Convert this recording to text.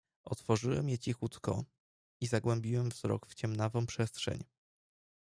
"Otworzyłem je cichutko i zagłębiłem wzrok w ciemnawą przestrzeń."